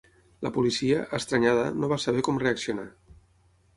La policia, estranyada, no va saber com reaccionar.